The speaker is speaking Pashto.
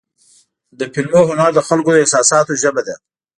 د فلمونو هنر د خلکو د احساساتو ژبه ده.